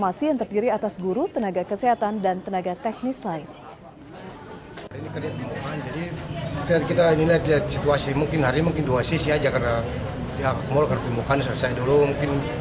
masih yang terdiri atas guru tenaga kesehatan dan tenaga teknis lain